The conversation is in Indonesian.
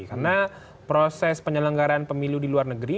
karena proses penyelenggaraan pemilu di luar negeri